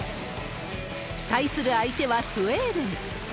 対する相手はスウェーデン。